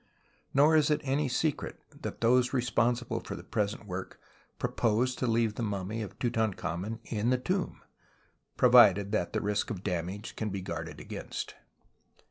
Xor is it any secret that those responsible for the present work propose to leave tlie mummy of Tutankhamen in the tomb, provided that the risk of damage can be guarded against.